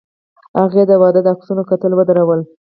هغې د واده د عکسونو کتل ودرول.